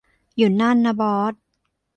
อยู่นั่นนะบอส